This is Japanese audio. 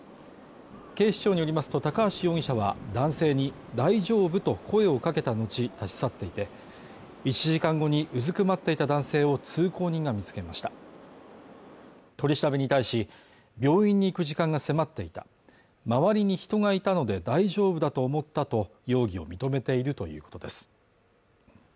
警視庁によりますと高橋容疑者は男性に大丈夫と声をかけた後立ち去っていて１時間後にうずくまっていた男性を通行人が見つけました取り調べに対し病院に行く時間が迫っていた周りに人がいたので大丈夫だと思ったと容疑を認めているということです